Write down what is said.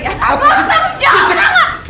lo harus tahu jauh sama